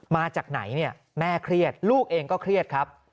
มาจากไหนเนี่ยแม่เครียดลูกเองก็เครียดครับ